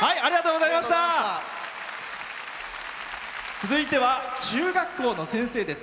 続いては中学校の先生です。